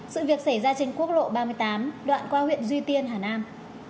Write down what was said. sự việc xảy ra trên quốc lộ ba mươi tám đoạn qua huyện duy tiên hà nam